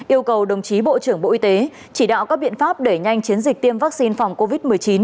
yêu cầu đồng chí bộ trưởng bộ y tế chỉ đạo các biện pháp đẩy nhanh chiến dịch tiêm vaccine phòng covid một mươi chín